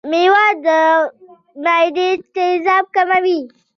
کېله د معدې تیزاب کموي.